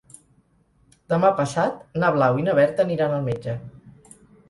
Demà passat na Blau i na Berta aniran al metge.